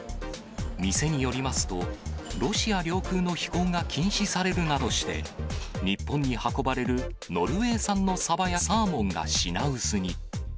店によりますと、ロシア領空の飛行が禁止されるなどして、日本に運ばれるノルウェー産のさばやサーモンが品薄に。